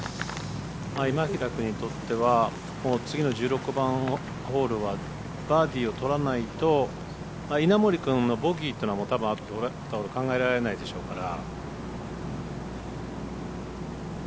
今平君にとっては次の１６番ホールはバーディーを取らないと稲森君のボギーというのはたぶん考えられないでしょうから。